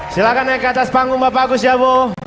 silahkan naik ke atas panggung bapak agus jabo